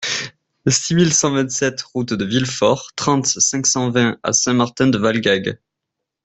six mille cent vingt-sept route de Villefort, trente, cinq cent vingt à Saint-Martin-de-Valgalgues